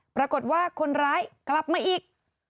ปรากฏว่าคนร้ายกลับมาอีก